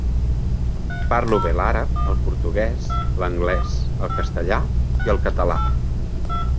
Parlo bé l'àrab, el portuguès, l'anglès, el castellà i el català.